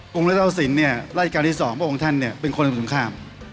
กรุงเรื้อเต้าศิลป์เนี่ยรายการที่๒พวกคุณท่านเนี่ยเป็นคนสุดข้าม